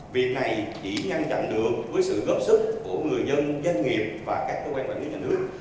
việc này chỉ ngăn chặn được với sự góp sức của người dân doanh nghiệp và các cơ quan quản lý nhà nước